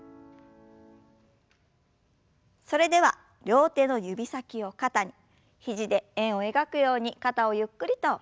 それでは両手の指先を肩に肘で円を描くように肩をゆっくりと回す運動から始めましょう。